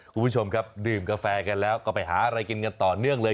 คุณผู้ชมครับดื่มกาแฟกันแล้วก็ไปหาอะไรกินกันต่อเนื่องเลย